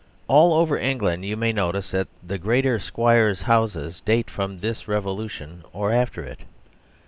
All over England you may notice that the great squires' houses date from this revolu tion or after it.